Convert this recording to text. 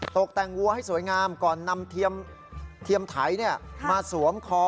ตกแต่งวัวให้สวยงามก่อนนำเทียมไถมาสวมคอ